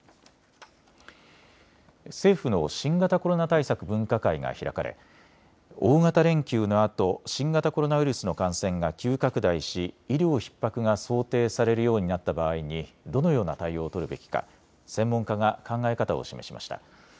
政府の新型コロナ対策分科会が開かれ大型連休のあと新型コロナウイルスの感染が急拡大し医療ひっ迫が想定されるようになった場合にどのような対応を取るべきか専門家が考え方を示しました。